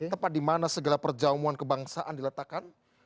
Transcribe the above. tempat dimana segala perjamuan kebangsaan diletakkan